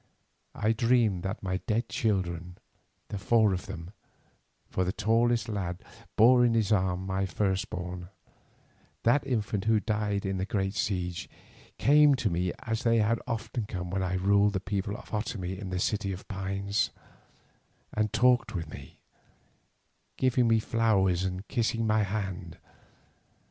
I dreamed that my dead children, the four of them, for the tallest lad bore in his arms my firstborn, that infant who died in the great siege, came to me as they had often come when I ruled the people of the Otomie in the City of Pines, and talked with me, giving me flowers and kissing my hands.